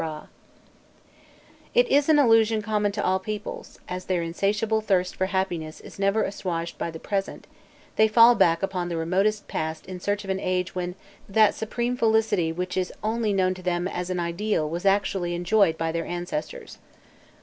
It is an illusion common to all peoples; as their insatiable thirst for happiness is never assuaged by the present, they fall back upon the remotest past in search of an age when that supreme felicity which is only known to them as an ideal was actually enjoyed by their ancestors.